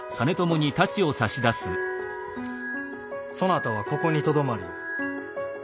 そなたはここにとどまるように。